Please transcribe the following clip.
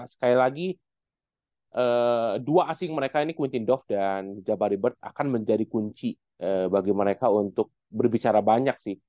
sekali lagi dua asing mereka ini quencing dof dan jabari bird akan menjadi kunci bagi mereka untuk berbicara banyak sih